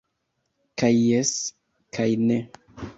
Kaj jes, kaj ne.